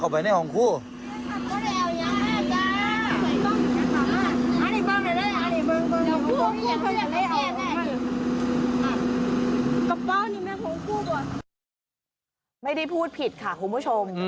ไม่ได้พูดผิดค่ะคุณผู้ชม